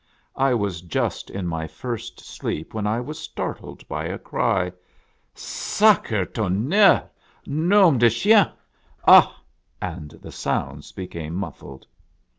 I was just in my first sleep when I was startled by a cry. " Sacre 1 tonnere ! Norn de chien ! Ah !" and the sounds became muffled.